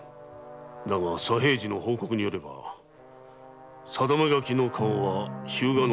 だが左平次の報告によれば定め書きの花押は日向守のもの。